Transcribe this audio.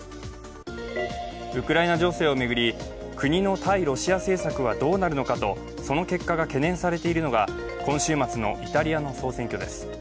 ウクライナ情勢を巡り、国の対ロシア政策はどうなるのかと、その結果が懸念されているのが今週末のイタリアの総選挙です。